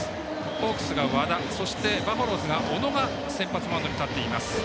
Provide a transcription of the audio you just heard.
ホークスが和田そして、バファローズは小野が先発マウンドに立っています。